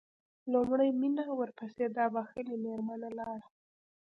لومړی مينه ورپسې دا بښلې مېرمنه لاړه.